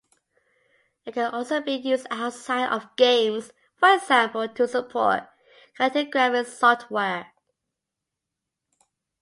It can also be used outside of games, for example to support cartographic software.